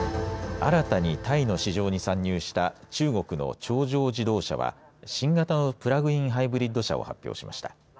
新たにタイの市場に参入した中国の長城自動車は新型のプラグインハイブリッド車を発表しました。